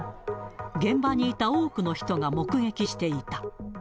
現場にいた多くの人が目撃していた。